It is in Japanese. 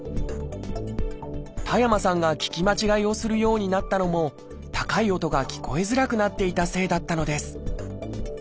田山さんが聞き間違えをするようになったのも高い音が聞こえづらくなっていたせいだったのです。